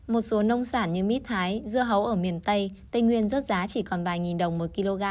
một số nông sản như mít thái dưa hấu ở miền tây tây nguyên rớt giá chỉ còn vài nghìn đồng một kg